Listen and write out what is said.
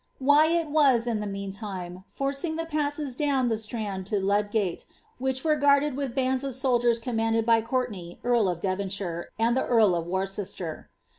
Wyatt was, in the meantime, forcing the passes down the Strand to LuJgate, which were guarded with bands of soldiers commanded by Courtenay earl of Devonshire and the earl of Worcester.